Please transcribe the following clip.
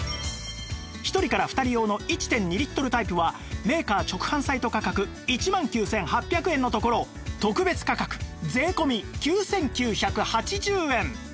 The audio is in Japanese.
１人から２人用の １．２ リットルタイプはメーカー直販サイト価格１万９８００円のところ特別価格税込９９８０円